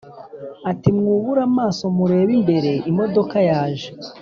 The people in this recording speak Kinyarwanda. ati mwubure amaso murebe imbere imodoka yaje